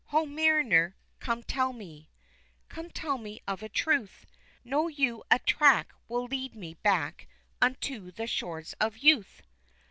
Ho, mariner! come tell me, Come tell me of a truth Know you a track will lead me back Unto the shores of youth?